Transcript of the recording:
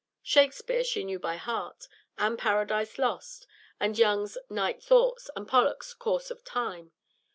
Shakspeare she knew by heart, and "Paradise Lost," and Young's "Night Thoughts," and Pollock's "Course of Time."